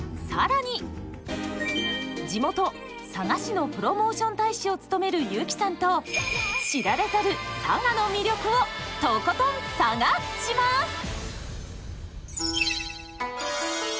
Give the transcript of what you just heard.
更に地元佐賀市のプロモーション大使を務める優木さんと知られざる佐賀の魅力をトコトン探します！